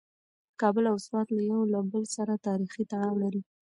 کابل او سوات یو له بل سره تاریخي تړاو لري.